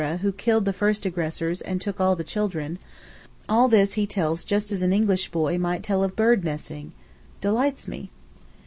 who killed the first aggressors and took all the children—all this he tells just as an English boy might tell of bird nesting—delights me.